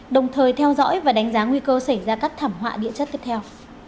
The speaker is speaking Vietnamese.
đồng thời theo dõi và đánh giá nguy cơ xảy ra các thảm họa địa chất tiếp theo